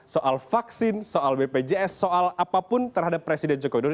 soal vaksin soal bpjs soal apapun terhadap presiden joko widodo